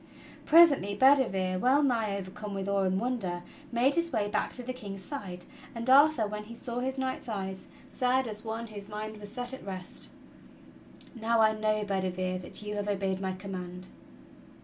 Presently Bedivere, well nigh overcome with awe and wonder, made his way back to the King's side; and Arthur, when he saw his knight's eyes, said as one whose mind was set at rest: "Now I know, Bedivere, that you. have obeyed my command."